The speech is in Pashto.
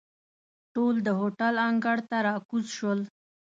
ټول د هوټل انګړ ته را کوز شول.